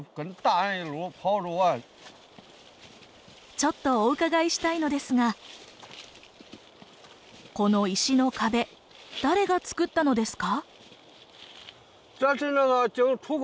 ちょっとお伺いしたいのですがこの石の壁誰がつくったのですか？